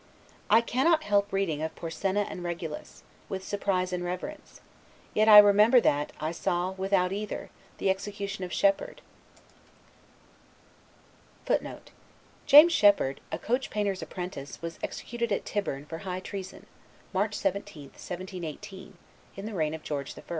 I cannot help reading of Porsenna and Regulus, with surprise and reverence, and yet I remember that I saw, without either, the execution of Shepherd, [James Shepherd, a coach painter's apprentice, was executed at Tyburn for high treason, March 17, 1718, in the reign of George I.